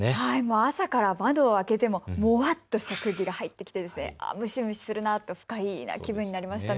朝から窓を開けてももわっとした空気が入ってきて蒸し蒸しするなと不快な気分になりました。